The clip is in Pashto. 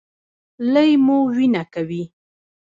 لۍ مو وینه کوي؟